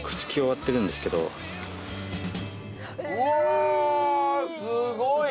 「うわー！すごい！」